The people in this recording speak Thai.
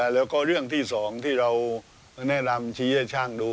แล้วก็เรื่องที่๒ที่เราแนะนำชี้ให้ช่างดู